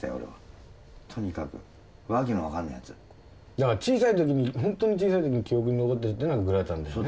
だから小さい時にほんとに小さい時に記憶に残ってるっていうのはグラタンですね。